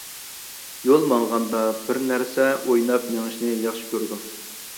يول ماڭغاندا بىرنەرسە ئويناپ مېڭىشىنى ياخشى كۆرىدۇ.